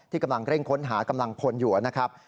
กำลังเร่งค้นหากำลังพลอยู่นะครับ